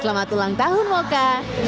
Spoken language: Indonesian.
selamat ulang tahun moka